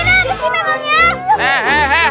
kita kesini bang ya